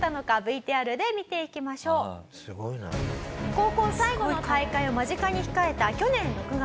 高校最後の大会を間近に控えた去年６月。